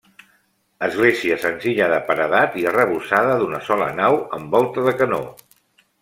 Església senzilla de paredat i arrebossada d'una sola nau amb volta de canó.